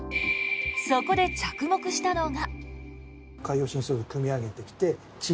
そこで着目したのが。